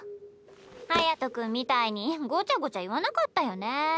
隼君みたいにごちゃごちゃ言わなかったよね。